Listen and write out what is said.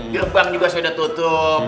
gebang juga sudah tutup